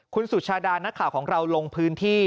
คุณสุชาดานักข่าวของเราลงพื้นที่